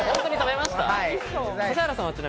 指原さんは？